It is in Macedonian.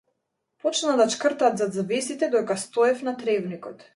Почнаа да ѕиркаат зад завесите додека стоев на тревникот.